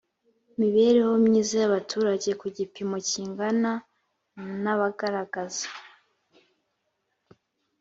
mibereho myiza y abaturage ku gipimo kingana na bagaragaza